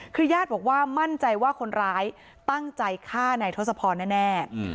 คือญาติบอกว่ามั่นใจว่าคนร้ายตั้งใจฆ่านายทศพรแน่